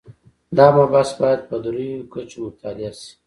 دا مبحث باید په درېیو کچو مطالعه شي.